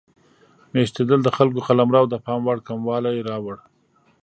میشتېدل د خلکو قلمرو د پام وړ کموالی راوړ.